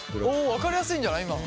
おお分かりやすいんじゃない？